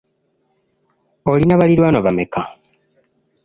Olina baliraanwa bameka?